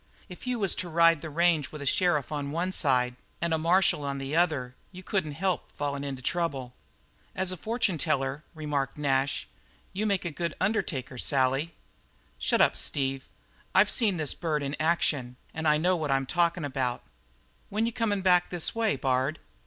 If you was to ride the range with a sheriff on one side of you and a marshal on the other you couldn't help fallin' into trouble." "As a fortune teller," remarked Nash, "you'd make a good undertaker, Sally." "Shut up, Steve. I've seen this bird in action and I know what I'm talking about. When you coming back this way, Bard?"